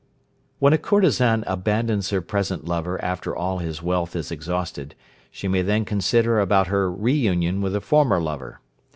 When a courtesan abandons her present lover after all his wealth is exhausted, she may then consider about her re union with a former lover.